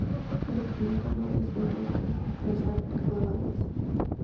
Únicamente uno de estos dos casos puede ser aplicado a la vez.